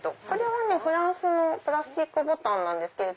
これはフランスのプラスチックボタンです。